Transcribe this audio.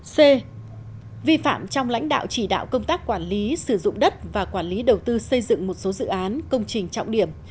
c vi phạm trong lãnh đạo chỉ đạo công tác quản lý sử dụng đất và quản lý đầu tư xây dựng một số dự án công trình trọng điểm